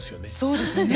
そうですね。